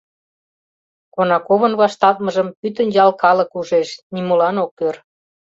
Конаковын вашталтмыжым пӱтынь ял калык ужеш, нимолан ок ӧр.